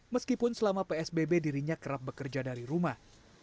meskipun selama psbb dirinya kerap bekerja dari rumah